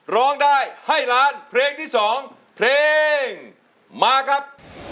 ร้องได้ให้ล้านเพลงที่๒เพลงมาครับ